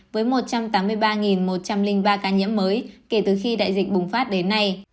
với một trăm tám mươi ba một trăm linh ba ca nhiễm mới kể từ khi đại dịch bùng phát đến nay